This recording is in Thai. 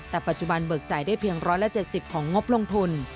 แต่ปัจจุบันเบิกจ่ายได้เพียง๑๗๐ของงบลงทุน